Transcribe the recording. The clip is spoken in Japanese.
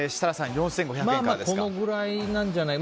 まあこれくらいなんじゃないか。